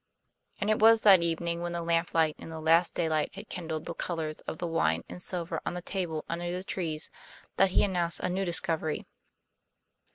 And it was that evening when the lamplight and the last daylight had kindled the colors of the wine and silver on the table under the tree, that he announced a new discovery.